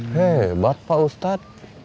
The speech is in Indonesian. hebat pak ustadz